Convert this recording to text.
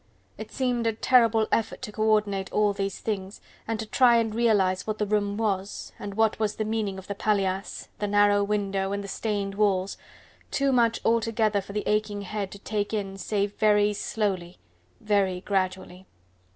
It seemed a terrible effort to co ordinate all these things, and to try and realize what the room was, and what was the meaning of the paillasse, the narrow window and the stained walls, too much altogether for the aching head to take in save very slowly, very gradually.